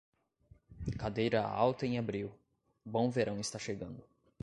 Cadeira alta em abril: bom verão está chegando.